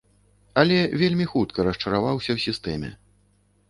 Але вельмі хутка расчараваўся ў сістэме.